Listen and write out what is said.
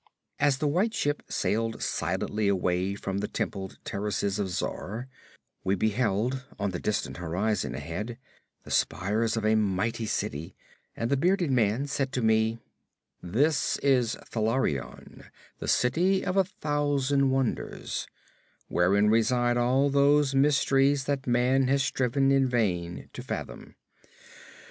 As the White Ship sailed silently away from the templed terraces of Zar, we beheld on the distant horizon ahead the spires of a mighty city; and the bearded man said to me, "This is Thalarion, the City of a Thousand Wonders, wherein reside all those mysteries that man has striven in vain to fathom."